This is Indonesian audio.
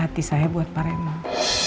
hati saya buat pak raymond